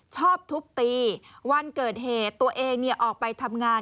ชอบทุบตีวันเกิดเหตุตัวเองออกไปทำงาน